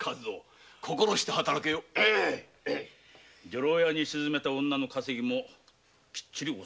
女郎屋に沈めた女の稼ぎもきっちり納めることだ。